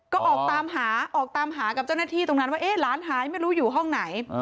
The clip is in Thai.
ก็ออกตามหากับเจ้าหน้าที่ตรงนั้นว่าหลานหายไม่รู้อยู่ห้องไหน